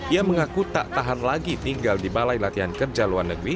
ia mengaku tak tahan lagi tinggal di balai latihan kerja luar negeri